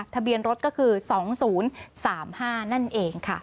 ทะเบียนรถก็คือ๒๐๓๕นั่นเองค่ะ